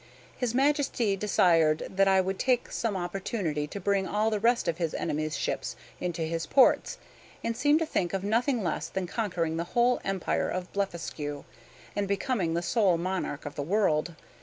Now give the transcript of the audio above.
His Majesty desired that I would take some opportunity to bring all the rest of his enemy's ships into his ports, and seemed to think of nothing less than conquering the whole Empire of Blefuscu, and becoming the sole monarch of the world.